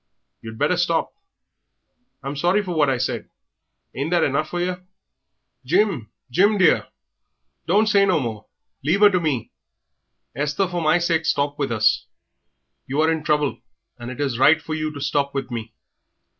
You'd better stop. I'm sorry for what I said. Ain't that enough for yer?" "Jim, Jim, dear, don't say no more; leave 'er to me. Esther, for my sake stop with us. You are in trouble, and it is right for you to stop with me.